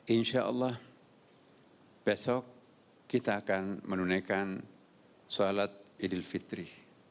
insyaallah besok kita akan menunaikan sholat idil fitri